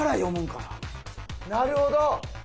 なるほど！